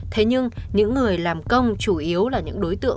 thế nhưng những người làm công chủ yếu là những đối tượng